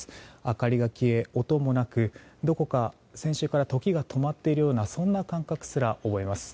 明かりが消え、音もなくどこか先週から時が止まっているようなそんな感覚すら覚えます。